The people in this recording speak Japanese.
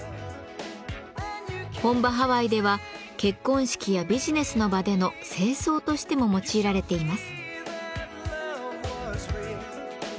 本場ハワイでは結婚式やビジネスの場での正装としても用いられています。